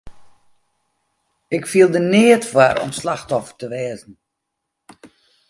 Ik fiel der neat foar om slachtoffer te wêze.